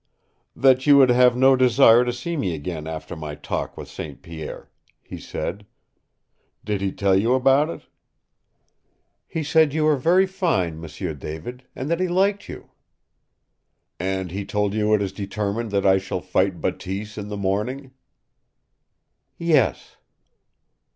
"That you would have no desire to see me again after my talk with St. Pierre," he said. "Did he tell you about it?" "He said you were very fine, M'sieu David and that he liked you." "And he told you it is determined that I shall fight Bateese in the morning?" "Yes."